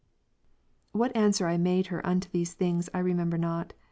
What answer I made her unto these things, I remember not.